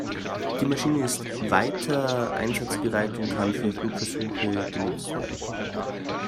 Die Maschine ist weiter einsatzbereit und kann für Flugversuche genutzt werden.